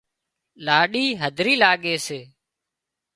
لُاڏِي هڌري لاڳي سي